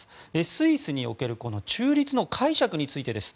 スイスにおける中立の解釈についてです。